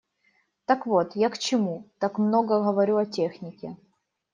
Так вот, я к чему так много говорю о технике.